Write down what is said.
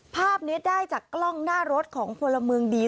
ภาพนี้ได้จากกล้องหน้ารถของพลเมืองดี